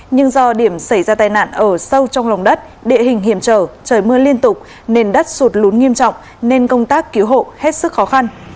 nhưng do điểm xảy ra tai nạn ở sâu trong lòng đất địa hình hiểm trở trời mưa liên tục nền đất sụt lún nghiêm trọng nên công tác cứu hộ hết sức khó khăn